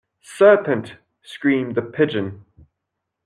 ‘Serpent!’ screamed the Pigeon.